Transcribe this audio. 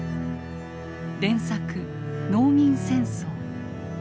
連作「農民戦争」。